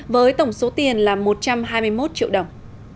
với tổng số tiền là một trăm hai mươi một triệu đồng